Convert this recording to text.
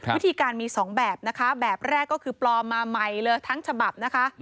วิธีการมี๒แบบนะคะแบบแรกก็คือปลอมมาใหม่เลยทั้งฉบับนะคะ